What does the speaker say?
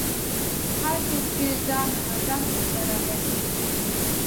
هر څوک چې ځان منظم کړي، بریالی کېږي.